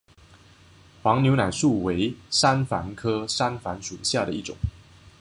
黄牛奶树为山矾科山矾属下的一个种。